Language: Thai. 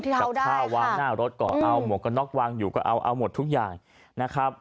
กับข้าววางหน้ารถก็เอาหมวกกันน็อกวางอยู่ก็เอาหมดทุกอย่างนะครับ